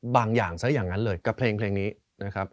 บางอย่างซะอย่างนั้นเลยกับเพลงนี้นะครับ